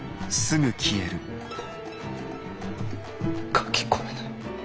書きこめない。